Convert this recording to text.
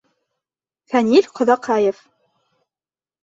Фәнил ҠОҘАҠАЕВ